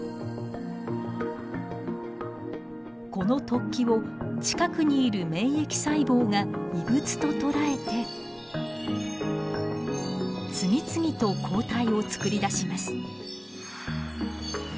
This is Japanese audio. この突起を近くにいる免疫細胞が異物ととらえて次々と抗体を作り出します。